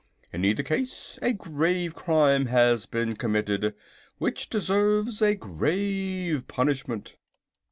In either case a grave crime has been committed which deserves a grave punishment."